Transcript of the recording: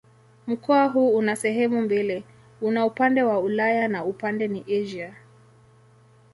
Mkoa huu una sehemu mbili: una upande wa Ulaya na upande ni Asia.